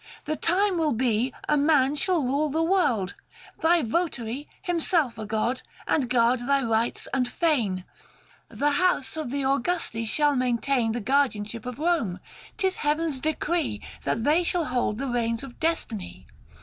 The time will be A man shall rule the world, thy votary Himself a god, and guard thy rites and fane. The house of the Augusti, shall maintain 560 The guardianship of Rome ; 'tis Heaven's decree That they shall hold the reins of destiny.